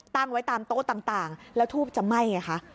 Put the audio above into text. ตั้งไว้ตามโต๊ะต่างแล้วทูบจะไหม้ไงคะ